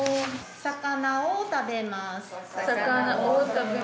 魚を食べます。